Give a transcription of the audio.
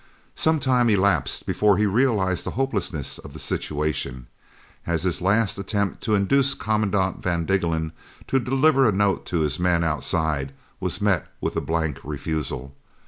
Some time elapsed before he realised the hopelessness of the situation, as his last attempt to induce Commandant van Diggelen to deliver a note to his men outside was met with a blank refusal.